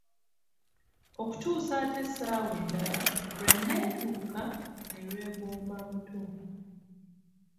Okutuusa ate essaawa endala lw’eneetuuka ne lwogooma buto.